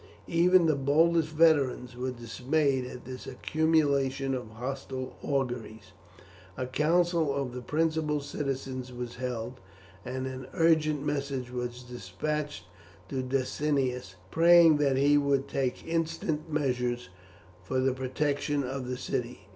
Even the boldest veterans were dismayed at this accumulation of hostile auguries. A council of the principal citizens was held, and an urgent message despatched to Decianus, praying that he would take instance measures for the protection of the city.